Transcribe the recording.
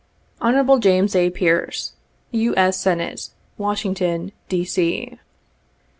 "Hon. James A. Pearce, U. S. Senate, Washington, D. C."